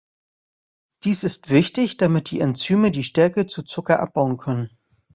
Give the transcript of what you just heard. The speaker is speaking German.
Dies ist wichtig, damit die Enzyme die Stärke zu Zucker abbauen können.